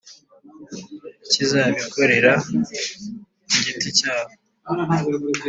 icy’izabikorera kugiti cyabo